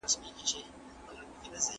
هغه سړی تر موږ ډېر پخوا دلته راغلی و.